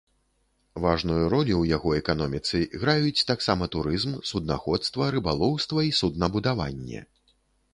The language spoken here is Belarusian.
Важную ролю ў яго эканоміцы граюць таксама турызм, суднаходства, рыбалоўства і суднабудаванне.